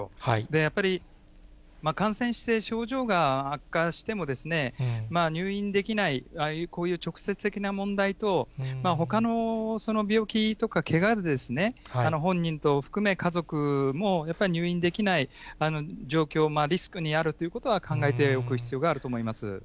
やっぱり、感染して症状が悪化しても、入院できない、こういう直接的な問題と、ほかの病気とかけがで、本人等を含め家族もやっぱり入院できない状況、リスクにあるということは、考えておく必要があると思います。